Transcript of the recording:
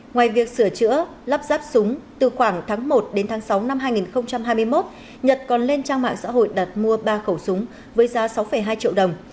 ngoài việc sửa chữa lắp ráp súng từ khoảng tháng một đến tháng sáu năm hai nghìn hai mươi một nhật còn lên trang mạng xã hội đặt mua ba khẩu súng với giá sáu hai triệu đồng